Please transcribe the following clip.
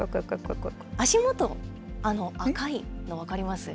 足元、赤いの分かります？